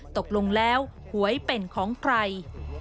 ตกลงแล้วหวยเป็นของใคร